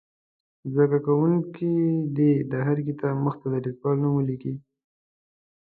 زده کوونکي دې د هر کتاب مخ ته د لیکوال نوم ولیکي.